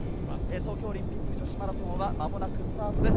東京オリンピック女子マラソンは、まもなくスタートです。